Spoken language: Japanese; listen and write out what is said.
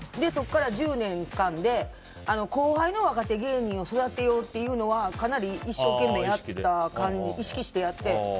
そこから１０年間で後輩の若手芸人を育てようというのはかなり、一生懸命意識してやって。